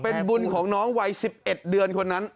พลังของน้องวัย๑๑เดือนคนนั้น